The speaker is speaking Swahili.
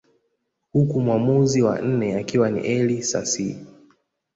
Huku mwamuzi wa nne akiwa ni Elly Sasii